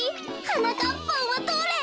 はなかっぱんはどれ？